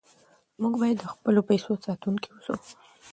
موږ باید د خپلو پیسو ساتونکي اوسو.